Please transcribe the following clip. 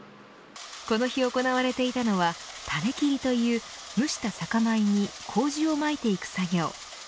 この日、行われていたのは種切という蒸した酒米に麹をまいていく作業。